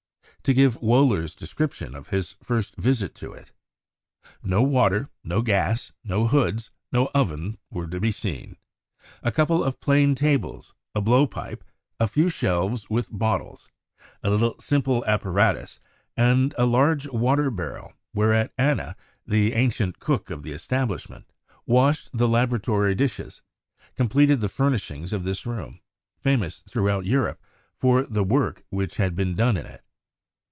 To give Wohler's description of his first visit to it: "No water, no gas, no hoods, no oven, were to be seen ; a couple of plain tables, a blowpipe, a few shelves with bottles, a little simple apparatus, and a large water barrel BERZELIUS AND THE ATOMIC THEORY 203 whereat Anna, the ancient cook of the establishment, washed the laboratory dishes, completed the furnishings of this room, famous throughout Europe for the work which had been done in it.